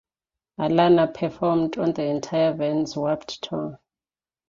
Alana performed on the entire Vans Warped Tour.